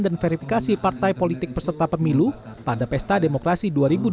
dan verifikasi partai politik peserta pemilu pada pesta demokrasi dua ribu dua puluh empat